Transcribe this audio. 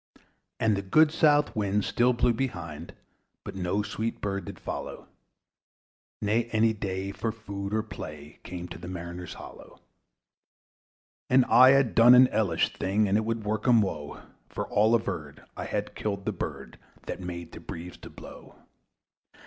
And the good south wind still blew behind But no sweet bird did follow, Nor any day for food or play Came to the mariners' hollo! And I had done an hellish thing, And it would work 'em woe: For all averred, I had killed the bird That made the breeze to blow.